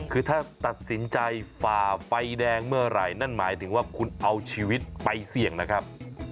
คือถ้าตัดสินใจฝ่าไฟแดงเมื่อไหร่นั่นหมายถึงว่าคุณเอาชีวิตไปเสี่ยงนะครับ